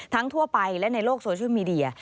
ทั่วไปและในโลกโซเชียลมีเดีย